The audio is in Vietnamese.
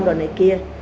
rồi này kia